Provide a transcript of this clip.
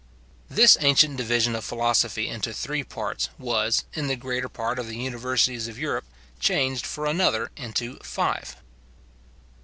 This ancient division of philosophy into three parts was, in the greater part of the universities of Europe, changed for another into five.